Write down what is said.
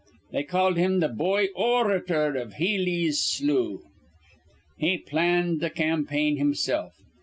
They called him th' boy or rator iv Healey's slough. "He planned th' campaign himsilf.